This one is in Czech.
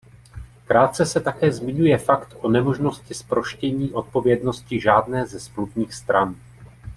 Krátce se také zmiňuje fakt o nemožnosti zproštění odpovědnosti žádné ze smluvních stran.